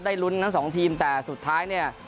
ได้ลุ้นทั้ง๒ทีมแต่สุดท้าย